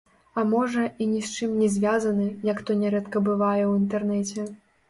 А можа, і ні з чым не звязаны, як то нярэдка бывае ў інтэрнэце.